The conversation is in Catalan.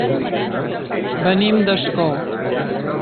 Venim d'Ascó.